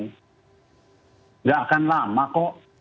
tidak akan lama kok